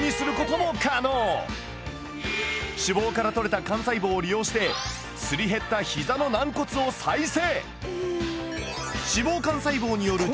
脂肪からとれた幹細胞を利用してすり減った膝の軟骨を再生。